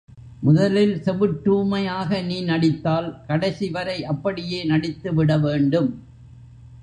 முதலில் செவிட்டூமையாக நீ நடித்தால் கடைசிவரை அப்படியே நடித்துவிட வேண்டும்.